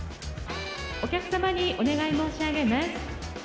お客様にお願い申し上げます。